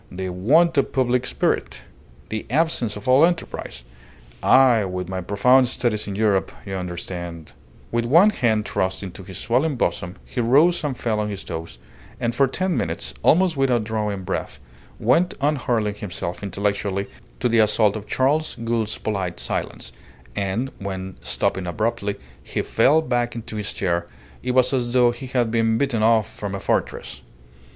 The want of public spirit! The absence of all enterprise! I, with my profound studies in Europe, you understand " With one hand thrust into his swelling bosom, he rose and fell on his toes, and for ten minutes, almost without drawing breath, went on hurling himself intellectually to the assault of Charles Gould's polite silence; and when, stopping abruptly, he fell back into his chair, it was as though he had been beaten off from a fortress.